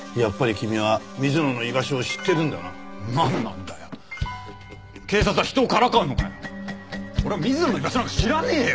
俺は水野の居場所なんか知らねえよ！